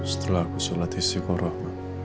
setelah aku solat istiqorah